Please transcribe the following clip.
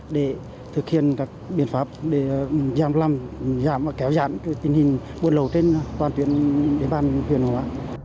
để thực hiện các biện pháp để giảm kéo dạn tình hình buôn lậu trên toàn tuyến địa bàn huyện hóa